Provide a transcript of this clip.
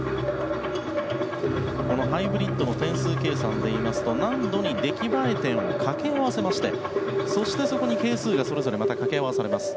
このハイブリッドの点数計算でいいますと難度に出来栄え点を掛け合わせましてそして、そこに係数がそれぞれまた掛け合わされます。